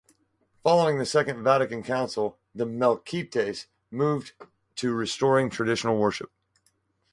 Following the Second Vatican Council the Melkites moved to restoring traditional worship.